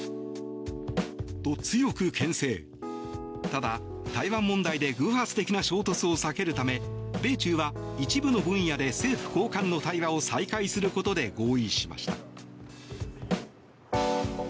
ただ、台湾問題で偶発的な衝突を避けるため米中は一部の分野で政府高官の対話を再開することで合意しました。